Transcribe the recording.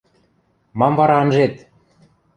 – Мам вара анжет!